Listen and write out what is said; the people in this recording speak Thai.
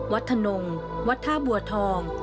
วัดถนงวัดท่าบัวทอง